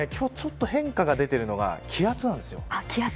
今日ちょっと変化が出ているのが気圧です。